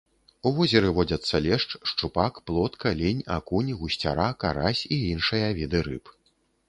У возеры водзяцца лешч, шчупак, плотка, лінь, акунь, гусцяра, карась і іншыя віды рыб.